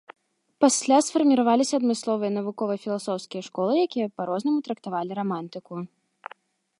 Пасля сфармаваліся адмысловыя навукова-філасофскія школы, якія па-рознаму трактавалі рамантыку.